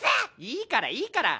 いいからいいから。